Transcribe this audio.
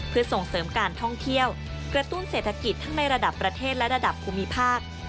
เพื่อส่งเสริมการท่องเที่ยวกระตุ้นเศรษฐกิจทั้งในระดับประเทศและระดับภูมิภาค